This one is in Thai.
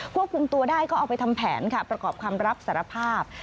ควบคุมตัวได้ก็เอาไปทำแผนค่ะประกอบคำรับสารภาพ